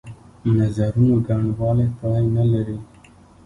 نظرونو ګڼوالی پای نه لري.